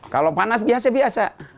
kalau panas biasa biasa